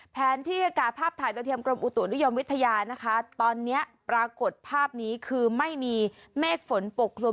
แผนที่อากาศภาพถ่ายโดยเทียมกรมอุตุนิยมวิทยานะคะตอนนี้ปรากฏภาพนี้คือไม่มีเมฆฝนปกคลุม